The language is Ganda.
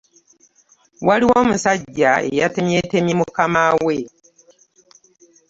Waliwo omusajja eyatemyetemye mukama we.